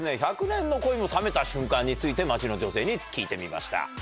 「１００年の恋も冷めた瞬間」について街の女性に聞いてみました。